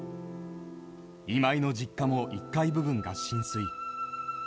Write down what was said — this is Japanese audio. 今井の実家も１階部分が浸水。